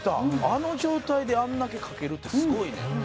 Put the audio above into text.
あの状態であれだけ描けるってすごいね。